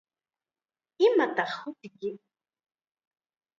¿Imataq hutiyki?